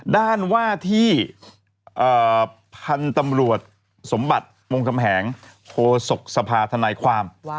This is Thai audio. ด้านว่าที่พันธุ์ตำรวจสมบัติมงคำแหงโคศกสภาธนายความ